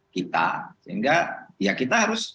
kita sehingga ya kita harus